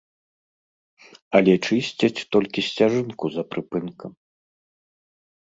Але чысціць толькі сцяжынку за прыпынкам.